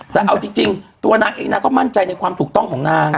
แต่เอาจริงตัวนางเองนางก็มั่นใจในความถูกต้องของนาง